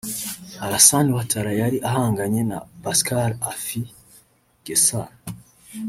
Alassane Ouattara yari ahanganye na Pascal Affi N’Gessan